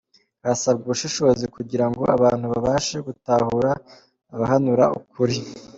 Harasabwa ubushishozi kugira ngo abantu babashe gutahura abahanura ukuri